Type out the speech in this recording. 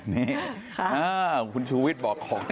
เนี้ยค่ะคุณชุวิตบอกของเขา